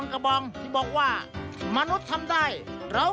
มีมีน้องเคยดูมีหรือเปล่า